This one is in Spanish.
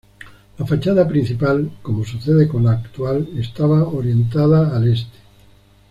La fachada principal, como sucede con la actual, estaba orientada al este.